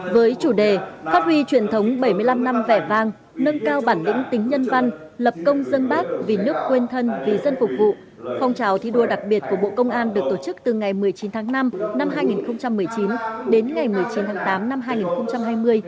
với chủ đề phát huy truyền thống bảy mươi năm năm vẻ vang nâng cao bản lĩnh tính nhân văn lập công dân bác vì nước quên thân vì dân phục vụ phong trào thi đua đặc biệt của bộ công an được tổ chức từ ngày một mươi chín tháng năm năm hai nghìn một mươi chín đến ngày một mươi chín tháng tám năm hai nghìn hai mươi